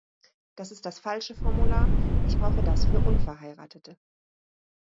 Das ist das falsche Formular, ich brauche das für Unverheiratete.